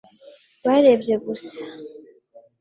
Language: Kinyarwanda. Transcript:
barebye gusa